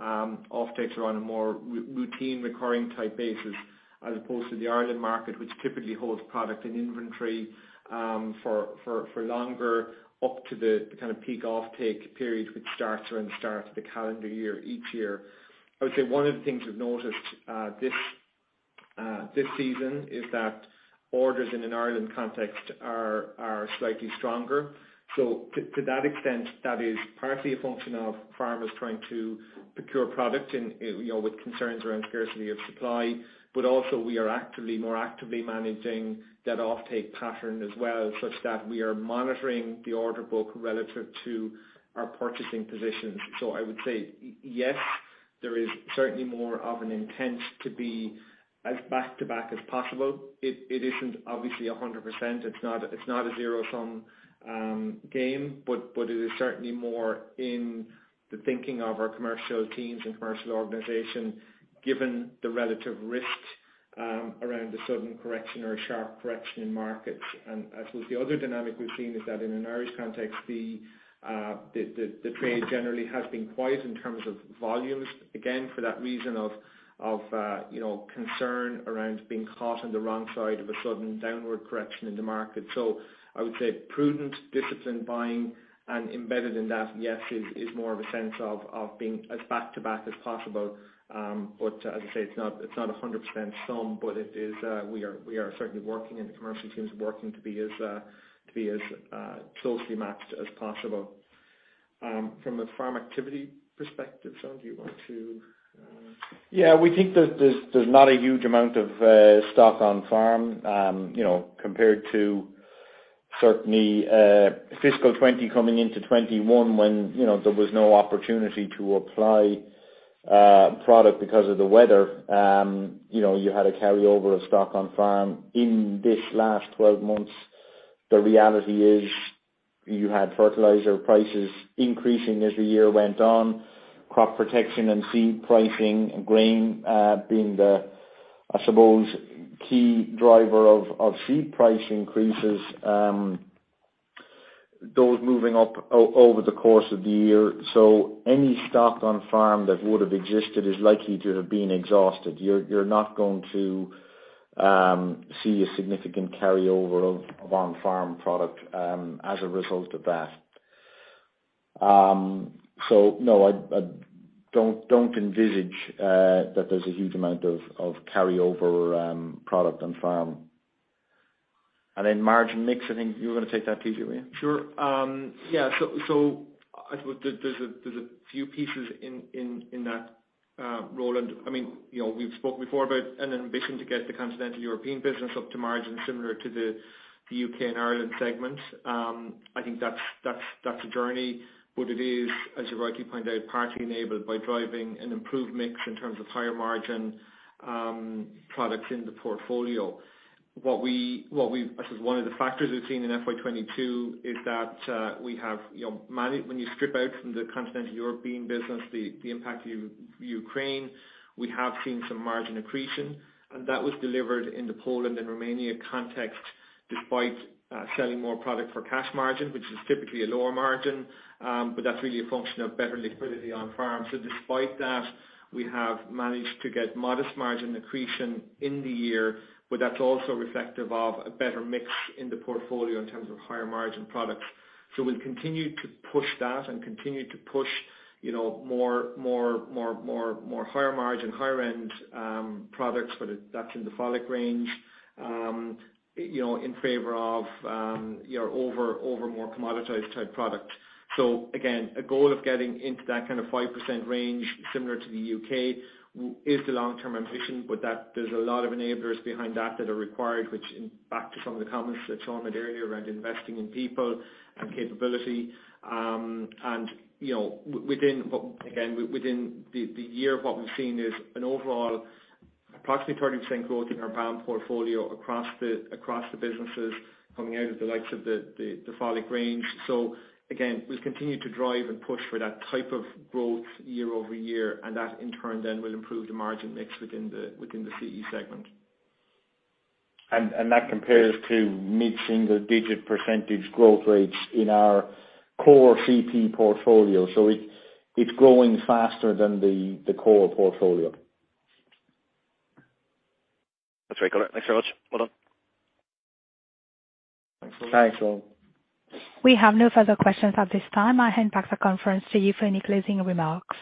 are on a more routine recurring type basis, as opposed to the Ireland market, which typically holds product and inventory for longer, up to the kind of peak offtake period, which starts around the start of the calendar year each year. I would say one of the things we've noticed this season is that orders in an Ireland context are slightly stronger. To that extent, that is partly a function of farmers trying to procure product and, you know, with concerns around scarcity of supply. We are actively, more actively managing that offtake pattern as well, such that we are monitoring the order book relative to our purchasing positions. I would say yes, there is certainly more of an intent to be as back-to-back as possible. It isn't obviously 100%, it's not a zero-sum game, but it is certainly more in the thinking of our commercial teams and commercial organization, given the relative risk around a sudden correction or a sharp correction in markets. I suppose the other dynamic we've seen is that in an Irish context, the trade generally has been quiet in terms of volumes, again, for that reason of you know, concern around being caught on the wrong side of a sudden downward correction in the market. I would say prudent discipline buying and embedded in that, yes, is more of a sense of being as back-to-back as possible. But as I say, it's not 100% sum, but it is, we are certainly working and the commercial teams are working to be as closely matched as possible. From a farm activity perspective, Sean, do you want to Yeah, we think that there's not a huge amount of stock on farm. You know, compared to certainly fiscal 2020 coming into 2021 when, you know, there was no opportunity to apply product because of the weather. You know, you had a carryover of stock on farm. In this last 12 months, the reality is you had fertilizer prices increasing as the year went on, crop protection and seed pricing, grain being the, I suppose, key driver of seed price increases, those moving up over the course of the year. Any stock on farm that would've existed is likely to have been exhausted. You're not going to see a significant carryover of on-farm product as a result of that. No, I don't envisage that there's a huge amount of carryover product on farm. Then margin mix, I think you were gonna take that too, TJ? Sure. Yeah. I suppose there's a few pieces in that, Roland. I mean, you know, we've spoke before about an ambition to get the continental European business up to margin similar to the U.K. and Ireland segment. I think that's a journey. But it is, as you rightly pointed out, partly enabled by driving an improved mix in terms of higher margin products in the portfolio. This is one of the factors we've seen in FY 2022, is that we have, you know, when you strip out from the continental European business the impact of Ukraine, we have seen some margin accretion, and that was delivered in the Poland and Romania context despite selling more product for cash margin, which is typically a lower margin. That's really a function of better liquidity on farm. Despite that, we have managed to get modest margin accretion in the year, but that's also reflective of a better mix in the portfolio in terms of higher margin products. We'll continue to push that and continue to push, you know, more higher margin, higher end products, whether that's in the foliar range, you know, in favor of, you know, over more commoditized type products. Again, a goal of getting into that kind of 5% range similar to the U.K. is the long term ambition, but that there's a lot of enablers behind that that are required, which is back to some of the comments that Sean made earlier around investing in people and capability. You know, within the year, what we've seen is an overall approximately 30% growth in our BAM portfolio across the businesses coming out of the likes of the foliar range. We'll continue to drive and push for that type of growth year-over-year, and that in turn will improve the margin mix within the CE segment. That compares to mid-single-digit percentage growth rates in our core CP portfolio. It's growing faster than the core portfolio. That's very clear. Thanks very much. Well done. Thanks, Roland. Thanks, Roland. We have no further questions at this time. I hand back the conference to you for any closing remarks.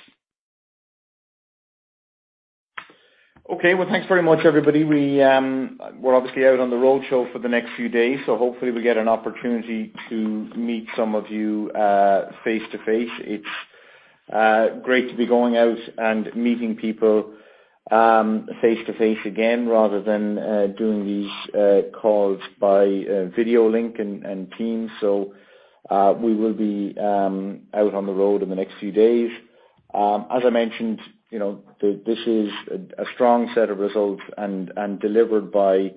Okay. Well, thanks very much everybody. We're obviously out on the road show for the next few days, so hopefully we get an opportunity to meet some of you face-to-face. It's great to be going out and meeting people face-to-face again rather than doing these calls by video link and Teams. We will be out on the road in the next few days. As I mentioned, you know, this is a strong set of results and delivered by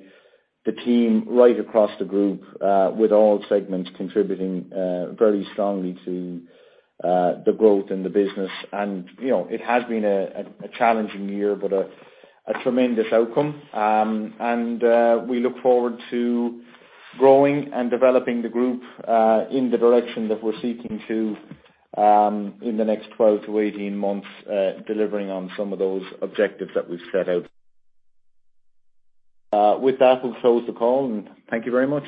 the team right across the group with all segments contributing very strongly to the growth in the business. You know, it has been a challenging year, but a tremendous outcome. We look forward to growing and developing the group in the direction that we're seeking to in the next 12-18 months, delivering on some of those objectives that we've set out. With that, we'll close the call and thank you very much.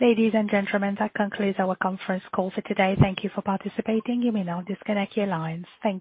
Ladies and gentlemen, that concludes our conference call for today. Thank you for participating. You may now disconnect your lines. Thank you.